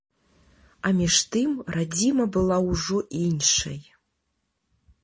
А між тым, радзіма была ўжо іншай.